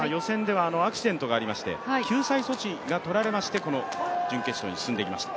予選ではアクシデントがありまして救済措置が取られまして、この準決勝に進んできました。